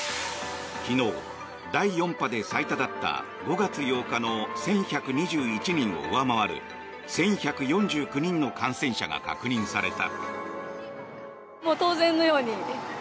昨日、第４波で最多だった５月８日の１１２１人を上回る１１４９人の感染者が確認された。